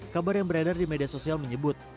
kabar yang beredar di media sosial menyebut